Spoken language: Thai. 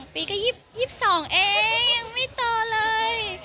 ปีก็๒๒เองยังไม่โตเลย